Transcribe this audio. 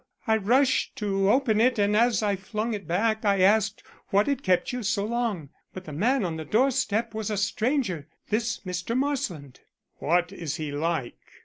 I rushed to open it and as I flung it back I asked what had kept you so long. But the man on the door step was a stranger this Mr. Marsland." "What is he like?"